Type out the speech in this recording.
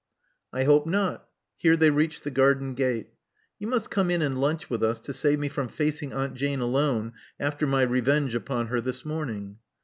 *'I hope not." Here they reacheli the garden gate, *'You must come in and lunch with us, to save me from facing Aunt Jane alone after my revenge upon her this morning.